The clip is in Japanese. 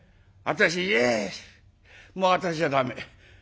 私いやもう私は駄目。